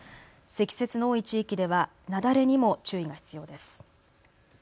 積雪の多い地域では雪崩にも注意が必要です。